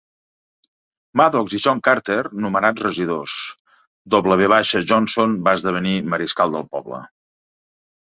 Maddox i John Carter nomenats regidors; W. Johnson va esdevenir mariscal del poble.